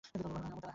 আমুথা, হাস!